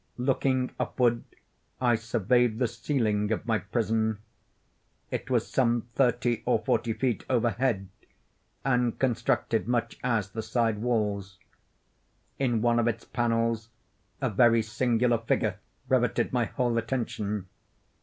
Looking upward, I surveyed the ceiling of my prison. It was some thirty or forty feet overhead, and constructed much as the side walls. In one of its panels a very singular figure riveted my whole attention.